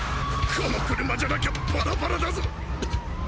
この車じゃなきゃバラバラだぞ！